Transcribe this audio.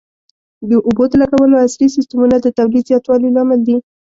د اوبو د لګولو عصري سیستمونه د تولید زیاتوالي لامل دي.